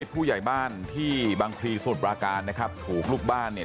ผู้ใหญ่บ้านที่บางพลีสมุทรปราการนะครับถูกลูกบ้านเนี่ย